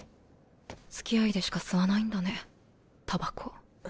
つきあいでしか吸わないんだねタバコ。